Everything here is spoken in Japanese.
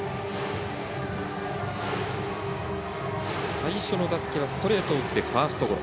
最初の打席はストレートを打ってファーストゴロ。